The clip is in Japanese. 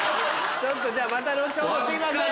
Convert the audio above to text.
ちょっとじゃあまた後ほどすいません。